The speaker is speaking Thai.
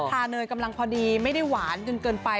เนยกำลังพอดีไม่ได้หวานจนเกินไป